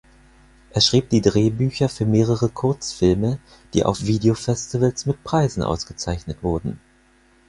Er schrieb die Drehbücher für mehrere Kurzfilme, die auf Video-Festivals mit Preisen ausgezeichnet wurden.